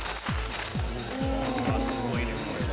「すごいねこれは」